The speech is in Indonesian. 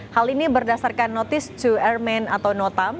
hal ini berdasarkan notice to airmen atau notam